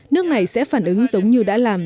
nước này sẽ phản ứng giống như đã làm